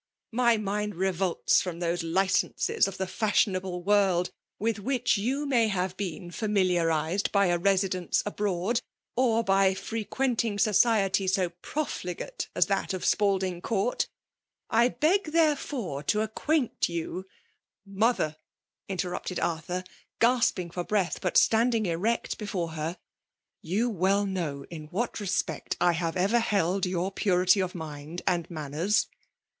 — My mind ^rerdtts fiom those licences of the iashionabk world with which you may have been fami liarized by a residence abroad, or by frequent iikg society so profligate as that of Spalding Court I beg therefore to acquaint you —^'^'' Mother I'* interrupted Arthur, gasping for breath, but standing erect before heir: " You well know in what respect I hare ever held your purity of mind and manners.